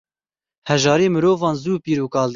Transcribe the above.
Hejarî mirovan zû pîr û kal dike.